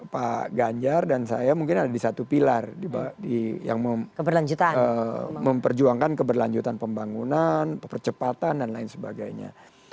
pak ganjar dan saya mungkin ada di satu pilar yang memperjuangkan keberlanjutan pembangunan percepatan dan lain sebagainya